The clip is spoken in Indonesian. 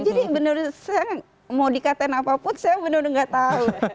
jadi benar saya mau dikatain apapun saya benar benar gak tahu